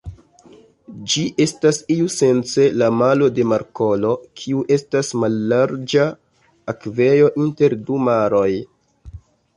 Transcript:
Ĝi estas iusence la malo de markolo, kiu estas mallarĝa akvejo inter du maroj.